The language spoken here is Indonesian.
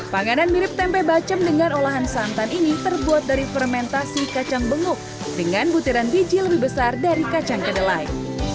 panganan mirip tempe bacem dengan olahan santan ini terbuat dari fermentasi kacang benguk dengan butiran biji lebih besar dari kacang kedelai